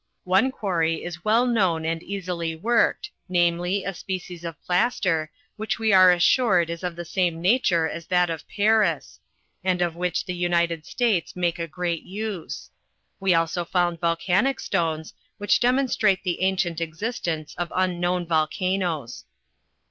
One quarry is well known anl easily worked, namely, a species of plaster, which we are assured is of the eame nature as that of Paris, ai.d of which the Uni ted States make a great use; we also found volcanic stones, which demonstrate the ancient existence of unknown vol canoes.